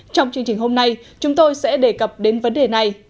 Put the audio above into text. trong chương trình hôm nay chúng tôi sẽ đề cập đến vấn đề này